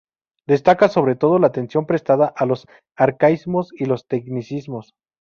Destaca sobre todo la atención prestada a los arcaísmos y los tecnicismos.